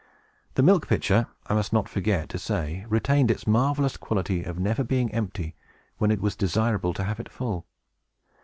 The milk pitcher, I must not forget to say, retained its marvelous quality of being never empty, when it was desirable to have it full.